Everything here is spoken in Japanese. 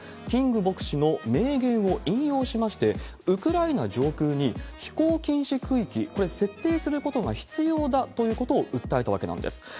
キング牧師の名言を引用しまして、ウクライナ上空に飛行禁止区域、これ、設定することが必要だということを訴えたわけなんです。